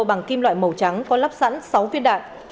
bằng kim loại màu trắng có lắp sẵn sáu viên đạn